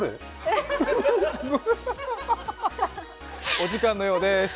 お時間のようです。